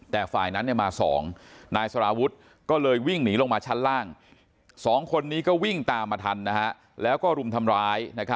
แต่ฝ่ายนั้นมา๒นายสารวุฒิก็เลยวิ่งหนีลงมาชั้นล่าง๒คนนี้ก็วิ่งตามมาทันแล้วก็รุมทำร้าย